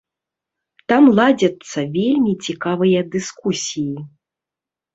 Там ладзяцца вельмі цікавыя дыскусіі.